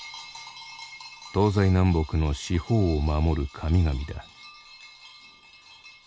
東西南北の四方を守る神々だ。